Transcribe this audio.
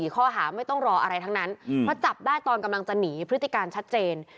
ข้อหาไม่ต้องรออะไรทั้งนั้นเพราะจับได้ตอนกำลังจะหนีพฤติการชัดเจน